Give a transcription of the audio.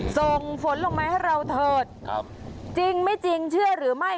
ส่งฝนลงมาให้เราเถิดครับจริงไม่จริงเชื่อหรือไม่